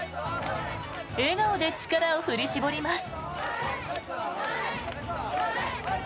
笑顔で力を振り絞ります。